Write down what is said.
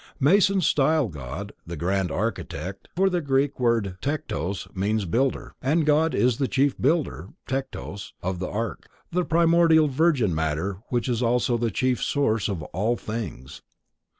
Masons style God the "Grand Architect," for the Greek word tektos means builder, and God is the Chief Builder (tektos) of arche: the primordial virgin matter which is also the chief source of all things.